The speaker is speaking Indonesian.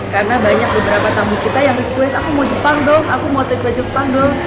karena banyak beberapa tamu kita yang request aku mau jepang dong aku mau trip ke jepang dong